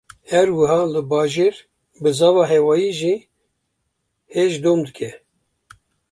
Her wiha li bajêr, bizava hewayî jî hêj dom dike